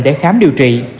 để khám điều trị